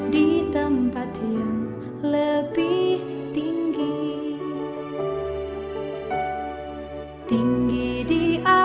di tempat yang lebih tinggi